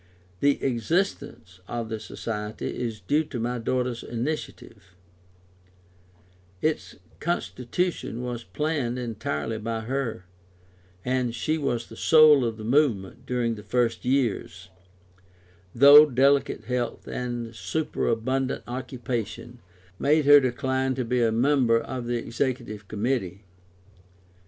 The existence of the Society is due to my daughter's initiative; its constitution was planned entirely by her, and she was the soul of the movement during its first years, though delicate health and superabundant occupation made her decline to be a member of the Executive Committee.